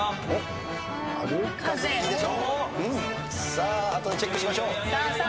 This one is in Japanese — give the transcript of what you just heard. さあ後でチェックしましょう。